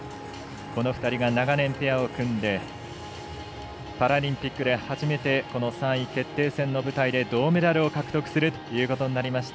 この２人が長年ペアを組んでパラリンピックで初めて３位決定戦の舞台で銅メダルを獲得するということになりました。